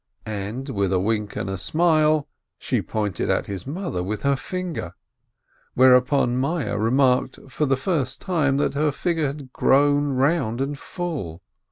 and with a wink and a smile she pointed at his mother with her finger, whereupon Meyerl remarked for the first time that her figure had grown round and full.